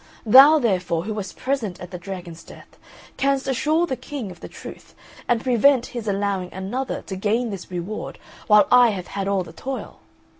Thou, therefore, who wast present at the dragon's death, canst assure the King of the truth, and prevent his allowing another to gain this reward while I have had all the toil.